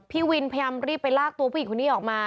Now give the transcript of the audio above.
พี่วินพยายามรีบไปลากตัวผู้หญิงคนนี้ออกมา